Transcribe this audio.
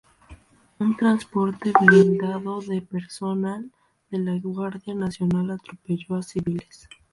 Un transporte blindado de personal de la Guardia Nacional atropelló a civiles.